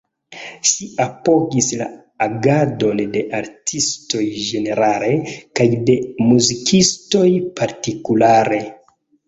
Ŝi apogis la agadon de artistoj ĝenerale kaj de muzikistoj partikulare.